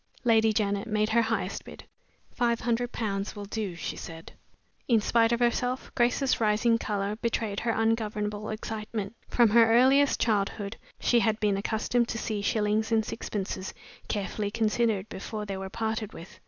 Lady Janet made her highest bid. "Five hundred pounds will do," she said. In spite of herself, Grace's rising color betrayed her ungovernable excitement. From her earliest childhood she had been accustomed to see shillings and sixpences carefully considered before they were parted with.